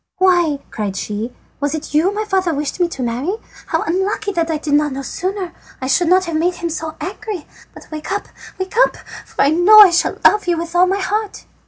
"Why," cried she, "was it you my father wished me to marry? How unlucky that I did not know sooner! I should not have made him so angry. But wake up! wake up! for I know I shall love you with all my heart."